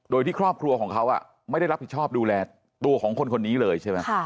โดยที่ครอบครัวของเขาไม่ได้รับผิดชอบดูแลตัวของคนคนนี้เลยใช่ไหม